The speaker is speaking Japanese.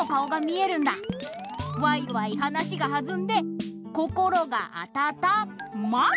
ワイワイ話がはずんで心があたたまる！